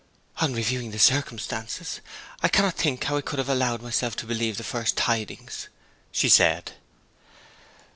'On reviewing the circumstances, I cannot think how I could have allowed myself to believe the first tidings!' she said.